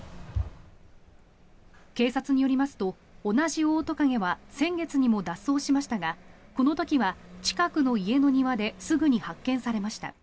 警察によりますと同じオオトカゲは先月にも脱走しましたがこの時は近くの家の庭ですぐに発見されました。